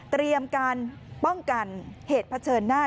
เตรียมการป้องกันเหตุเผชิญหน้า